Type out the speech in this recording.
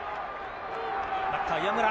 バッター岩村。